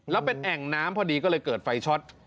แล้วเป็นแอ่งน้ำพอดีก็เลยเกิดไฟช็อต